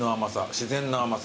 自然な甘さ。